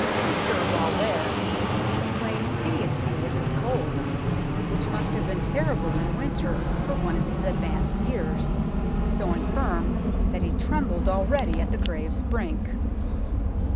Fisher while there complained piteously of its cold, which must have been terrible in winter for one of his advanced years, so infirm that he trembled already at the grave's brink.